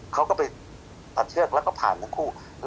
เขาก็ไปตัดเชือกแล้วก็ผ่านทั้งคู่